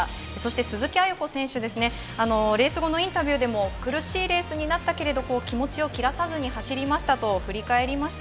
鈴木亜由子選手、レース後のインタビューでも、苦しいレースになったけれど、気持ちを切らさずに走りましたと振り返りました。